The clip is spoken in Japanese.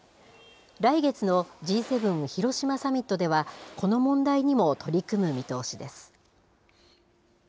来月のＧ７広島サミットでは、この問題にも取り組む見通しです。